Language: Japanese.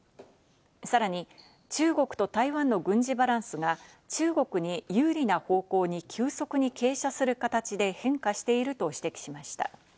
さらに、中国と台湾の軍事バランスが、中国に有利な方向に急速に傾斜する形で変化していると指摘しました。